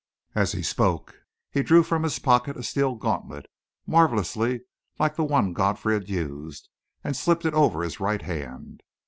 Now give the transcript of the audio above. As he spoke, he drew from his pocket a steel gauntlet, marvellously like the one Godfrey had used, and slipped it over his right hand.